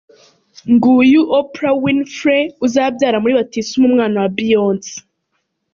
Nguyu Oprah Winefrey, uzabyara muri Batisimu umwana wa Beyonce.